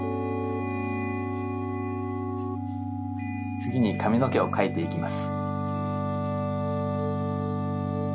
つぎにかみのけを描いていきます。